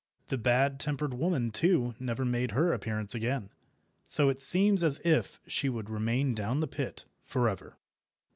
The bad tempered woman, too, never made her appearance again, so it seems as if she would remain down the pit for ever.